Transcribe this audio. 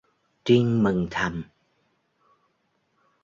Trinh mừng thầm